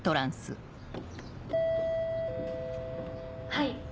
はい。